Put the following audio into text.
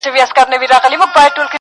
یار لیدل آب حیات دي چاته کله ور رسیږي!!